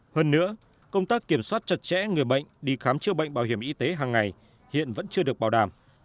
hơn nữa công tác kiểm soát chặt chẽ người bệnh đi khám chữa bệnh bảo hiểm y tế hàng ngày hiện vẫn chưa được bảo đảm